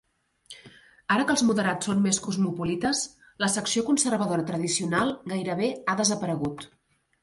Ara que els moderats són més cosmopolites, la secció conservadora tradicional gairebé ha desaparegut.